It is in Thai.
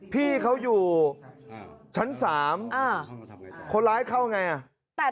พี่เขาอยู่ชั้น๓คนร้ายเข้าอย่างไร